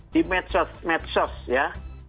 di medsos medsos ya